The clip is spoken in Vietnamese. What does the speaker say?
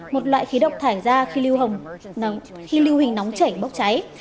một loại khí độc thải ra khi lưu hình nóng chảy bốc cháy